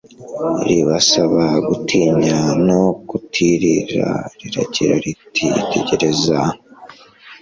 ribasaba gutinya no kutirara, rigira riti tegereza